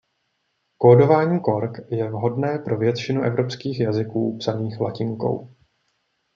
Kódování Cork je vhodné pro většinu evropských jazyků psaných latinkou.